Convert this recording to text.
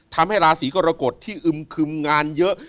ทำให้ราศีกรกฎที่อึมคึมงานเยอะ